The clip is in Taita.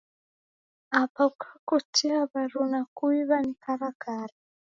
Apa ukakotea waruna kuiwa ni karakara